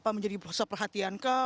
apa menjadi pusat perhatian kah